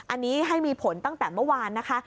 อันนี้ให้มีผลตั้งแต่เมื่อวานนะคะ